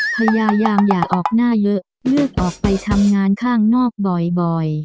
พยายามอย่าออกหน้าเยอะเลือกออกไปทำงานข้างนอกบ่อย